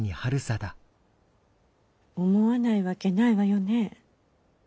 思わないわけないわよね。